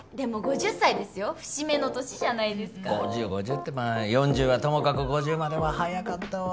５０５０ってまあ４０はともかく５０までは早かったわ。